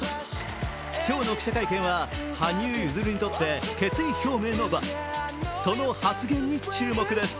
今日の記者会見は羽生結弦にとって決意表明の場、その発言に注目です